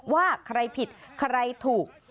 ว่าใครผิดใครถูก